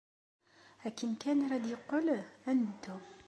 Akken kan ara d-yeqqel, ad neddu.